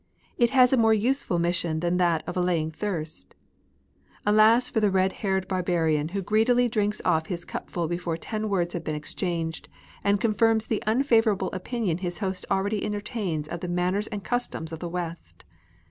It has a more useful mission than that of allaying thirst. Alas for the red haired barbarian who greedily drinks ofi" his cupful before ten words have been ex changed, and confirms the unfavourable opinion his host already entertains of the manners and customs of the West